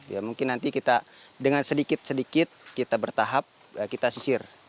ya mungkin nanti kita dengan sedikit sedikit kita bertahap kita sisir